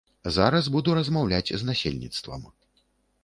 Зараз буду размаўляць з насельніцтвам.